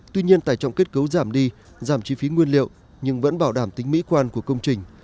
tuy nhiên tải trọng kết cấu giảm đi giảm chi phí nguyên liệu nhưng vẫn bảo đảm tính mỹ quan của công trình